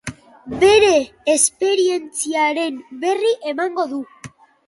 Bere esperientziaren berri emango du.